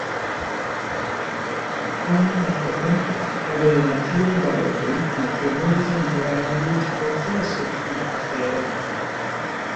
Tamen lastatempe, kadre de naciaj balotoj, malfermiĝis en Tirana juĝproceso pri la afero.